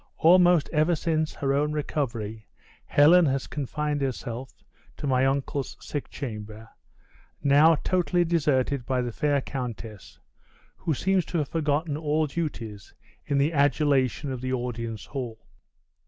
Almost ever since her own recovery, Helen has confined herself to my uncle's sick chamber, now totally deserted by the fair countess, who seems to have forgotten all duties in the adulation of the audience hall."